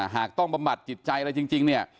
หากต้องบำบัดจิตใจอะไรจริงเนี่ย